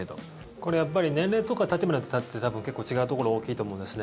これ年齢とか立場によって結構違うところ大きいと思うんですね。